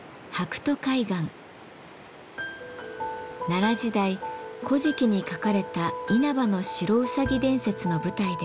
奈良時代「古事記」に書かれた因幡の白うさぎ伝説の舞台です。